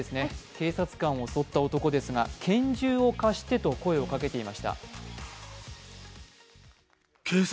警察官を襲った男ですが、拳銃を貸してと声をかけていました。